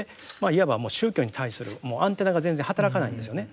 いわばもう宗教に対するアンテナが全然働かないんですよね。